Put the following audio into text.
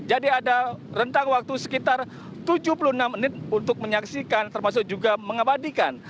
jadi ada rentang waktu sekitar tujuh puluh enam menit untuk menyaksikan termasuk juga mengabadikan